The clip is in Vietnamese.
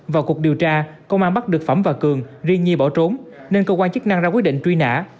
vào cuộc điều tra công an bắt được phẩm và cường riêng nhi bỏ trốn nên cơ quan chức năng ra quyết định truy nã